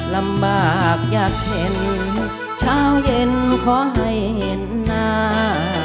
ลำบากอยากเห็นเช้าเย็นขอให้เห็นหน้า